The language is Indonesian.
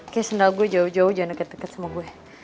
seperti sendal saya jauh jauh jangan dekat dekat dengan saya